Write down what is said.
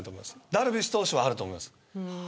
ダルビッシュ投手はあると思います。